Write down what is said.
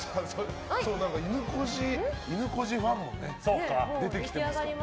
いぬこじファンも出てきてますからね。